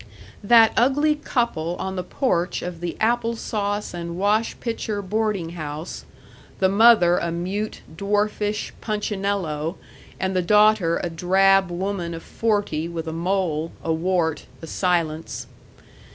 That ugly couple on the porch of the apple sauce and wash pitcher boarding house the mother a mute, dwarfish punchinello, and the daughter a drab woman of forty with a mole, a wart, a silence.